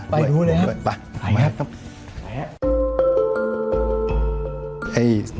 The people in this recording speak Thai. ไปดูเลยครับไปครับไปครับ